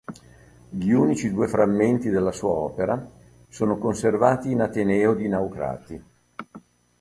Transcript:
Gli unici due frammenti della sua opera sono conservati in Ateneo di Naucrati.